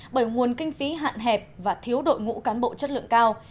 bởi nguồn kinh phí hạn hẹp và thiếu đội ngũ cán bộ chất lượng cao